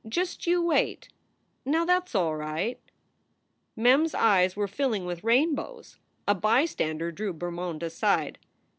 Just you wait. Now that s all right." Mem s eyes were filling with rainbows. A bystander drew Bermond aside.